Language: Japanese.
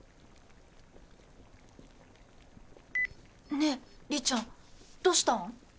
ねえ李ちゃんどしたん？